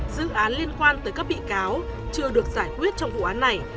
dự án liên quan tới các bị cáo chưa được giải quyết trong vụ án này